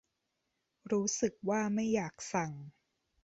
รู้สึกว่าไม่อยากสั่ง